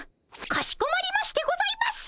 かしこまりましてございます！